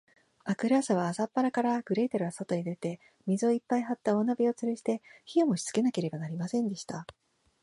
あくる日は、朝っぱらから、グレーテルはそとへ出て、水をいっぱいはった大鍋をつるして、火をもしつけなければなりませんでした。